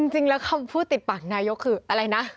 จริงแล้วคำพูดติดปากนายกคืออะไรนะ